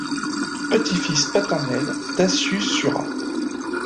Petit-fils paternel d'Accius Sura.